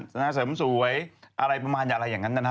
สนาสมสวยอะไรประมาณอย่างนั้นนะ